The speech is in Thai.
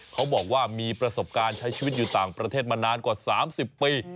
เขาบอกว่ามีประสบการณ์ใช้ชีวิตอยู่ต่างประเทศมานานกว่า๓๐ปี